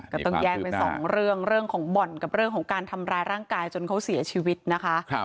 ก็ต้องแยกเป็นสองเรื่องของบ่อนกับเรื่องของการทำร้ายร่างกายจนเขาเสียชีวิตนะคะ